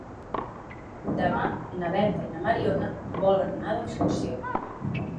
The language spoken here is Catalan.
Demà na Berta i na Mariona volen anar d'excursió.